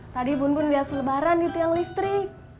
tadi bun bun liat selebaran di tiang listrik